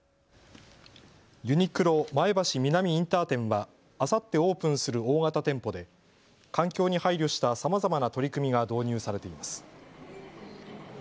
ユニクロ前橋南インター店はあさってオープンする大型店舗で環境に配慮したさまざまな取り組みが導入されています。